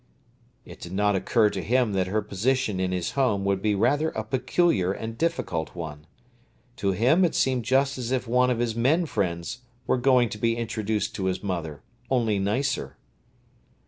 It did not occur to him that her position in his home would be rather a peculiar and difficult one. To him it seemed just as if one of his men friends were going to be introduced to his mother, only nicer.